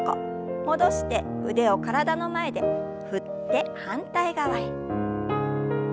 戻して腕を体の前で振って反対側へ。